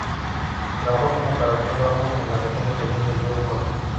Trabajó como cartógrafo en la región del cañón del río Colca.